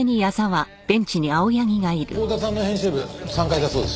はい。